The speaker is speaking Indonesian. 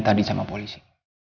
tadi sama polisi